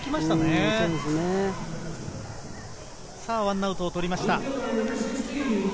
１アウトを取りました。